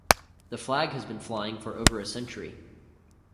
The flag has been flying for over a century.